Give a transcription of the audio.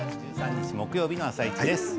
１０月１３日木曜日の「あさイチ」です。